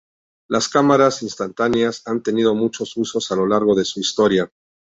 Las cámaras instantáneas han tenido muchos usos a lo largo de su historia.